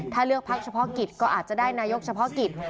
ถ้าเลือกพักเฉพาะกิจก็อาจจะได้นายกเฉพาะกิจ